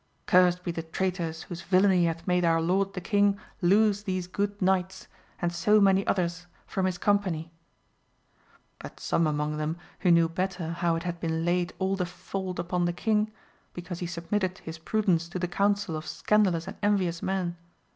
Cursed be the traitors whose villainy hath made our lord the king lose these good knights and so many others from his company But some among them who knew better how it had been laid all the fault upon the king, because he submitted his prudence to the counsel of scandalous and envious men.